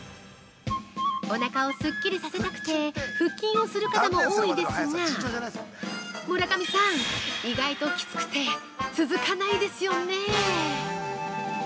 おなかをすっきりさせたくて腹筋をする方も多いですが村上さん、意外ときつくて続かないですよね？